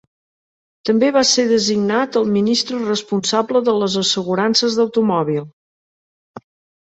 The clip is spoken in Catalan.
També va ser designat el ministre responsable de les assegurances d'automòbil.